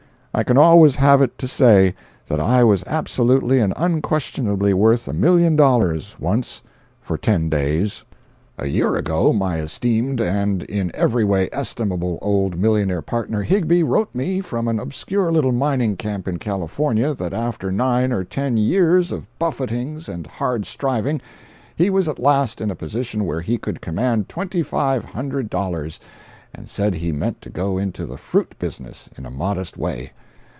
I can always have it to say that I was absolutely and unquestionably worth a million dollars, once, for ten days. A year ago my esteemed and in every way estimable old millionaire partner, Higbie, wrote me from an obscure little mining camp in California that after nine or ten years of buffetings and hard striving, he was at last in a position where he could command twenty five hundred dollars, and said he meant to go into the fruit business in a modest way.